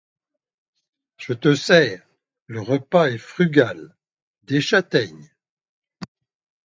Je te sers. Le repas est frugal. Des châtaignes